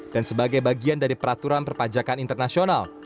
dan sebagai bagian dari peraturan perpajakan internasional